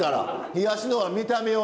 東野が見た目をね